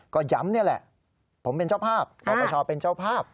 ก็ย้ำนี่แหละผมเป็นเจ้าภาพปปชเป็นเจ้าภาพ